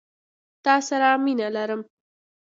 تا سره مينه لرم.